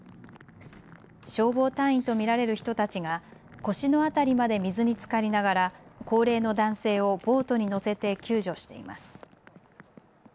消防隊員と見られる人たちが腰の辺りまで水につかりながら高齢の男性をボートに乗せて救助しています。